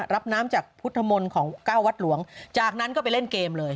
รับน้ำจากพุทธมนต์ของเก้าวัดหลวงจากนั้นก็ไปเล่นเกมเลย